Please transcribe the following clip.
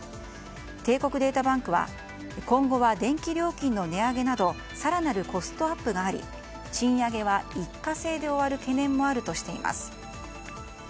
帝国データバンクは今後は電気料金の値上げなど更なるコストアップがあり賃上げは一過性で終わる懸念もあるとしています。